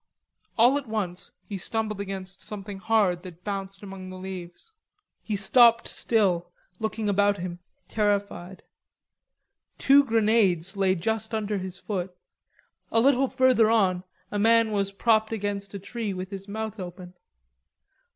All at once he stumbled against something hard that bounced among the leaves. He stopped still, looking about him, terrified. Two grenades lay just under his foot, a little further on a man was propped against a tree with his mouth open.